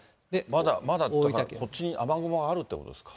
まだこっちに雨雲はあるということですか。